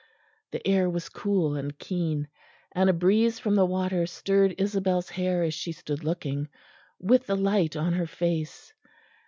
The air was cool and keen, and a breeze from the water stirred Isabel's hair as she stood looking, with the light on her face.